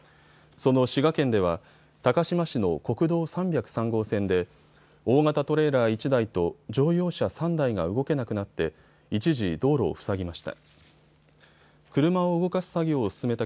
その滋賀県では高島市の国道３０３号線で大型トレーラー１台と乗用車３台が動けなくなって一時、道路を塞ぎました。